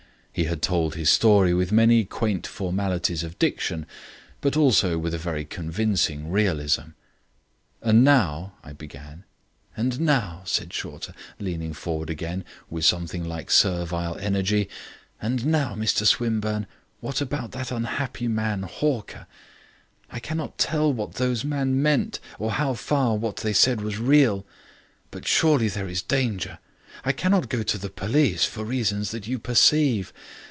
He had told his story with many quaint formalities of diction, but also with a very convincing realism. "And now " I began. "And now," said Shorter, leaning forward again with something like servile energy, "and now, Mr Swinburne, what about that unhappy man Hawker. I cannot tell what those men meant, or how far what they said was real. But surely there is danger. I cannot go to the police, for reasons that you perceive.